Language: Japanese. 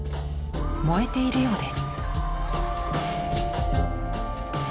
燃えているようです。